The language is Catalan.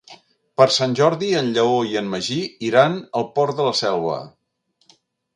Per Sant Jordi en Lleó i en Magí iran al Port de la Selva.